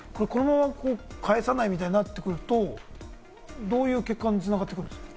返さないみたいになってくると、どういう結果に繋がってくるんですか？